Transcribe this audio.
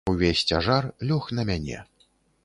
Увесь цяжар лёг на мяне.